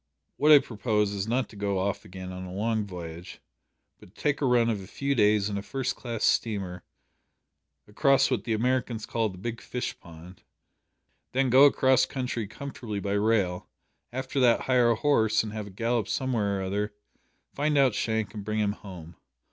What I propose is not to go off again on a long voyage, but to take a run of a few days in a first class steamer across what the Americans call the big fish pond; then go across country comfortably by rail; after that hire a horse and have a gallop somewhere or other; find out Shank and bring him home.